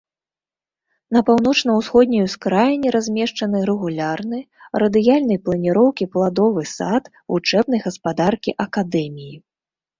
На паўночна-ўсходняй ускраіне размешчаны рэгулярны, радыяльнай планіроўкі пладовы сад вучэбнай гаспадаркі акадэміі.